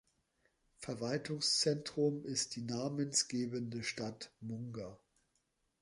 Verwaltungszentrum ist die namensgebende Stadt Munger.